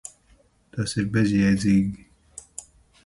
Tas ir bezjēdzīgi.